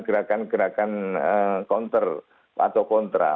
melakukan gerakan gerakan kontra